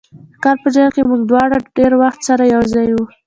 د کار په جریان کې به موږ دواړه ډېر وخت سره یو ځای وو.